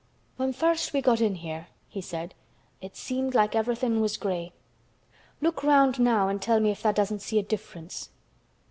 "When first we got in here," he said, "it seemed like everything was gray. Look round now and tell me if tha' doesn't see a difference."